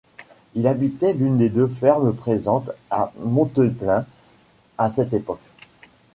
Il habitait l'une des deux fermes présentes à Monteplain à cette époque.